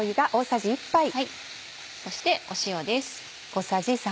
そして塩です。